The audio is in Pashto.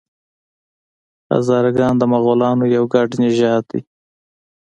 هزاره ګان د مغولانو یو ګډ نژاد دی.